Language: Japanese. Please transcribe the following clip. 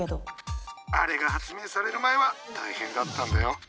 あれが発明される前は大変だったんだよ。